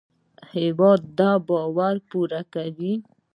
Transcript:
هېواد د باور پوره کوي.